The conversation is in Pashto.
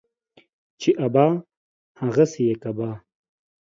چي ابا ، هغه سي يې کبا.